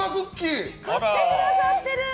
買ってくださってる！